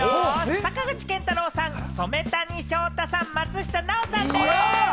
坂口健太郎さん、染谷将太さん、松下奈緒さんでぃす。